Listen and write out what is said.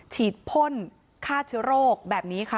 ฉีดพ่นฆ่าเชื้อโรคแบบนี้ค่ะ